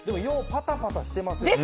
パタパタしてますよね。